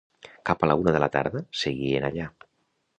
Cap a la una de la tarda seguien allà.